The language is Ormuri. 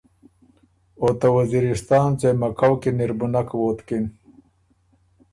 او ته وزیرستان ځېمه کؤ کی ن اِر بُو نک ووتکِن۔